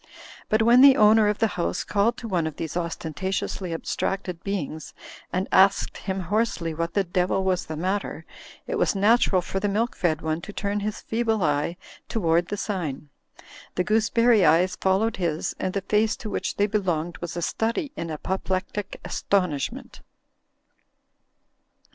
But when the owner of the house called to one of these ostentatiously abstracted beings and asked him hoarse ly what the devil was the matter, it was natural for the milk fed one to turn his feeble eye toward the sign. The gooseberry eyes followed his, and the face to which they belonged was a study in apoplectic as tonishment.